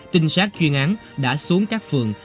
tinh sát chuyên án đã xuống các phường